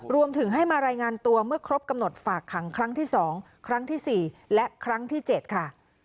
รวมถึงให้มารายงานตัวเมื่อครบกำหนดฝากขังครั้งที่๒ครั้งที่๔และครั้งที่๗ค่ะ